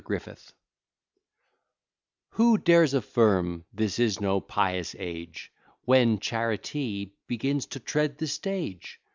GRIFFITH Who dares affirm this is no pious age, When charity begins to tread the stage?